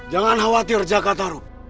jangan khawatir jakartaru